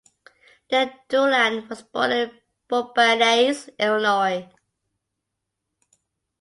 Dandurand was born in Bourbonnais, Illinois.